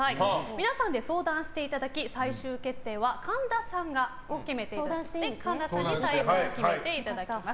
皆さんで相談していただき最終決定は神田さんに最後決めていただきます。